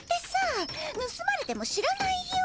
ぬすまれてもしらないよ。